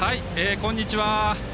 こんにちは。